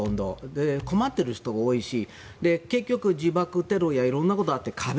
困っている人が多いし結局、自爆テロやいろんなことがあって